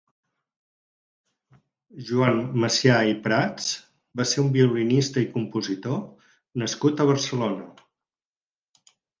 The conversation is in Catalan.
Joan Massià i Prats va ser un violinista i compositor nascut a Barcelona.